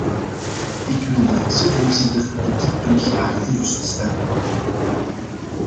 Ik wil de vicevoorzitter op dit punt graag geruststellen.